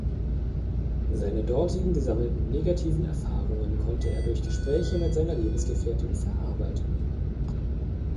Seine dortigen gesammelten negativen Erfahrungen konnte er durch Gespräche mit seiner Lebensgefährtin verarbeiten.